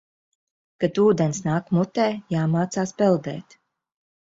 Kad ūdens nāk mutē, jāmācās peldēt.